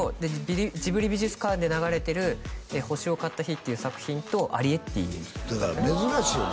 ジブリ美術館で流れてる「星をかった日」っていう作品と「アリエッティ」だから珍しいよね